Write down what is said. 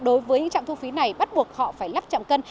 đối với những trạm thu phí này bắt buộc họ phải lắp chạm cân